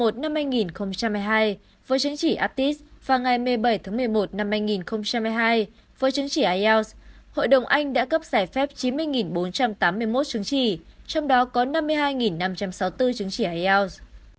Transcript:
đến ngày một mươi một mươi một hai nghìn một mươi hai với chứng chỉ aptis và ngày một mươi bảy một mươi một hai nghìn một mươi hai với chứng chỉ ielts hội đồng anh đã cấp giải phép chín mươi bốn trăm tám mươi một chứng chỉ trong đó có năm mươi hai năm trăm sáu mươi bốn chứng chỉ ielts